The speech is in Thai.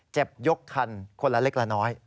เจ็บยกทันคนละเล็กละน้อย